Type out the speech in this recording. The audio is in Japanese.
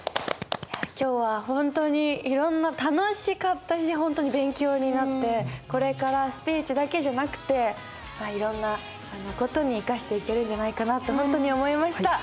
今日はほんとにいろんな楽しかったしほんとに勉強になってこれからスピーチだけじゃなくていろんな事に生かしていけるんじゃないかなとほんとに思いました。